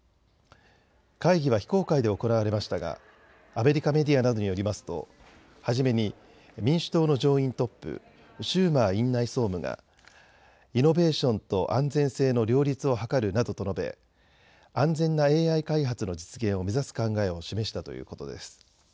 会議は非公開で行われましたがアメリカメディアなどによりますと初めに民主党の上院トップ、シューマー院内総務がイノベーションと安全性の両立を図るなどと述べ安全なＡＩ開発の実現を目指す考えを示したということです。